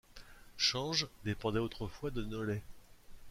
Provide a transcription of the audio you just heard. Change dépendait autrefois de Nolay.